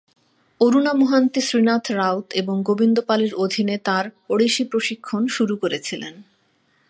অরুণা মোহান্তি শ্রীনাথ রাউত এবং গোবিন্দ পালের অধীনে তাঁর ওড়িশি প্রশিক্ষণ শুরু করেছিলেন।